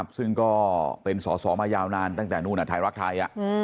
ซึ่งก็เป็นสอสอมายาวนานตั้งแต่นู่นไทยรักไทย